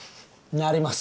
なります。